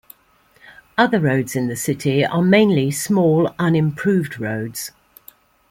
Other roads in the city are mainly small unimproved roads.